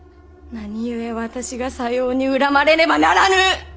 何故私がさように恨まれねばならぬ！